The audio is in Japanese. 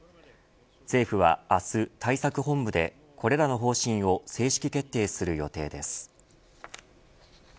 政府は明日、対策本部でこれらの方針を正式決定する予定です。